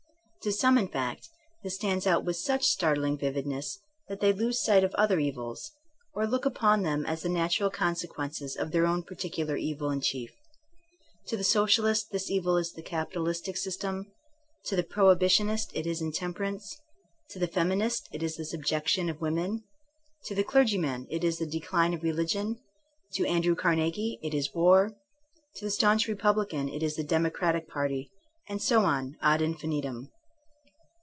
To some, in fact, this stands out with such startling vividness that they lose sight of other evils, or look upon them as the natural consequences of their own par ticular evil in chief. To the Socialist this evil is the capitalistic system ; to the prohibitionist it is intemperance ; to the feminist it is the subjection of women ; to the clergyman it is the decline of religion; to Andrew Carnegie it is war ; to the staunch Ee publican it is the Democratic Party, and so on, ad infinitum.